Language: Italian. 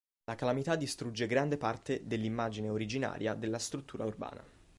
La calamità distrugge grande parte dell’immagine originaria della struttura urbana.